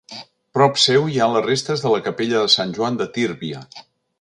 Prop seu hi ha les restes de la capella de Sant Joan de Tírvia.